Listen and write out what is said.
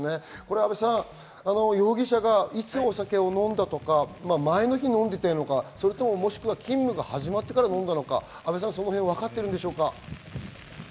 阿部さん、容疑者がいつお酒を飲んだとか、前の日に飲んでいたのか、勤務が始まってから飲んだのか分かっているんでしょうか？